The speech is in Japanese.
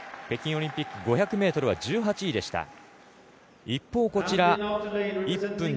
北京オリンピック５００ｍは５位でした。